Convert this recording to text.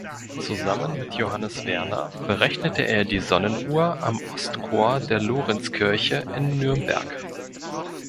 Zusammen mit Johannes Werner berechnete er die Sonnenuhr am Ostchor der Lorenzkirche in Nürnberg.